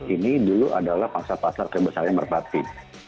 ini dulu adalah pangsa pasar kebesarnya merpati